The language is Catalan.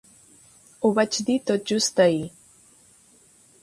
Ho vaig dir tot just ahir.